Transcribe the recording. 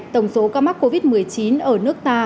tổng số ca mắc covid một mươi chín ở nước ta